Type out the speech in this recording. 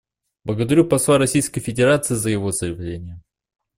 Благодарю посла Российской Федерации за его заявление.